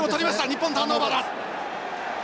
日本ターンオーバーだ！